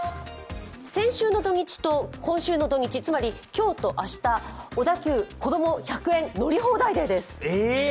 先週の土日と今週の土日、つまり今日と明日、小田急こども１００円乗り放題デーです。